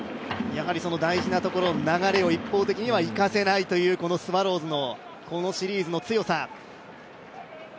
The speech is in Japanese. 大事なところ、流れを一方的にはいかせないという、スワローズのこのシリーズの強さ。